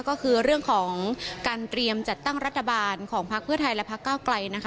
ก็คือเรื่องของการเตรียมจัดตั้งรัฐบาลของพักเพื่อไทยและพักเก้าไกลนะคะ